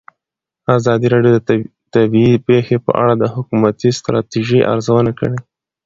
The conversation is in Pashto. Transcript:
ازادي راډیو د طبیعي پېښې په اړه د حکومتي ستراتیژۍ ارزونه کړې.